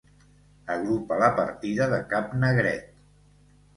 Agrupa la partida de Cap Negret.